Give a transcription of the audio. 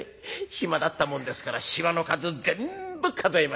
暇だったもんですからしわの数全部数えました。